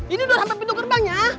ini udah sampai pintu gerbang ya